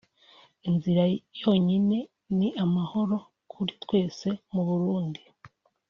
Inzira yonyine ni amahoro kuri twese mu Burundi…”